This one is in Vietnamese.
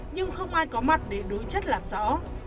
nhưng không ai có mặt để đối chất lạ rõ